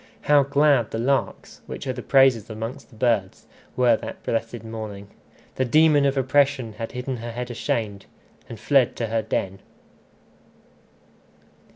How glad the larks, which are the praisers amongst the birds, were that blessed morning! The demon of oppression had hidden her head ashamed, and fled to her den!